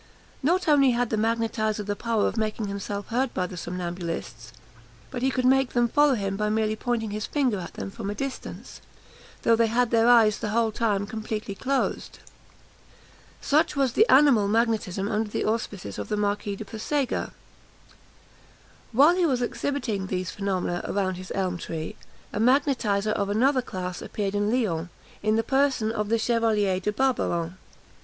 Not only had the magnetiser the power of making himself heard by the somnambulists, but he could make them follow him by merely pointing his finger at them from a distance, though they had their eyes the whole time completely closed. Introduction to the Study of Animal Magnetism, by Baron Dupotet, p. 73. Such was animal magnetism under the auspices of the Marquis de Puysegur. While he was exhibiting these phenomena around his elm tree, a magnetiser of another class appeared in Lyons, in the person of the Chevalier de Barbarin.